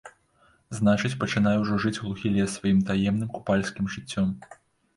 Значыць, пачынае ўжо жыць глухі лес сваім таемным купальскім жыццём.